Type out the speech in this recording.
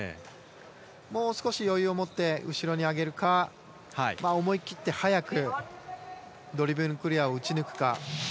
もう少し余裕を持って後ろに上げるか思い切って速くクリアを打ち抜くか。